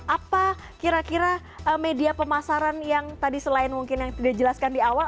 apa kira kira media pemasaran yang tadi selain mungkin yang tidak dijelaskan di awal